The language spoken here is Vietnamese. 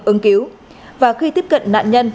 ứng cứu và khi tiếp cận nạn nhân